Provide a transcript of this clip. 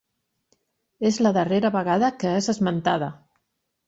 És la darrera vegada que és esmentada.